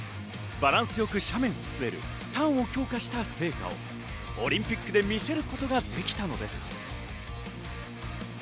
バランスよく斜面を滑るターンを強化した成果をオリンピックで見せることができたのです。